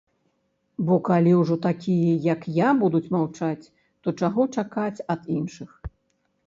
Бо калі ўжо такія, як я, будуць маўчаць, то чаго чакаць ад іншых?